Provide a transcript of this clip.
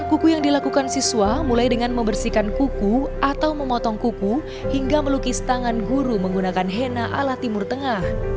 kuku yang dilakukan siswa mulai dengan membersihkan kuku atau memotong kuku hingga melukis tangan guru menggunakan hena ala timur tengah